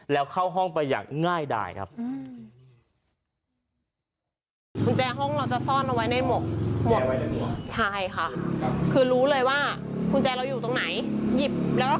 แล้วเข้าห้องไปอย่างง่ายดายครับ